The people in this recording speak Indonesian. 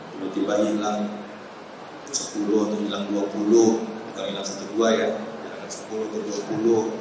tiba tiba hilang sepuluh atau hilang dua puluh kita hilang satu dua ya sepuluh atau dua puluh